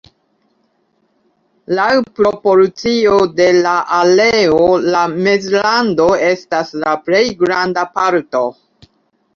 Laŭ proporcio de la areo la Mezlando estas la plej granda parto.